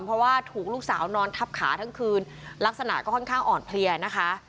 เพราะว่าถูกลูกสาวนอนทับขาทั้งคืนลักษณะก็ค่อนข้างอ่อนเพลียนะคะ